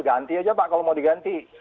ganti aja pak kalau mau diganti